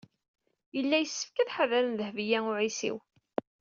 Yella yessefk ad ḥadren Dehbiya u Ɛisiw.